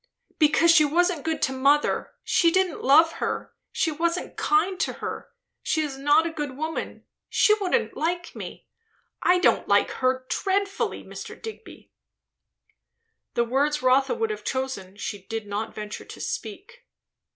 "Because she wasn't good to mother she didn't love her she wasn't kind to her. She is not a good woman. She wouldn't like me. I don't like her dreadfully, Mr. Digby!" The words Rotha would have chosen she did not venture to speak.